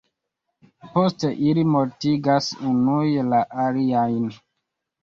Poste ili mortigas unuj la aliajn.